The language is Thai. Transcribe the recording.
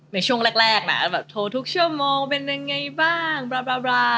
ในช่วงแรกนะเลยแบบโทรทุกชั่วโมงเป็นยังไงบ้างบล๊าบล๊าบล่า